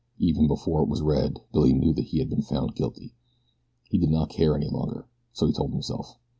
Even before it was read Billy knew that he had been found guilty. He did not care any longer, so he told himself.